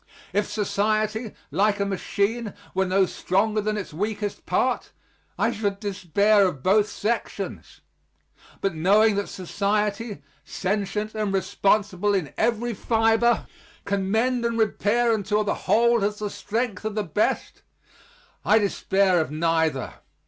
If society, like a machine, were no stronger than its weakest part, I should despair of both sections. But, knowing that society, sentient and responsible in every fiber, can mend and repair until the whole has the strength of the best, I despair of neither.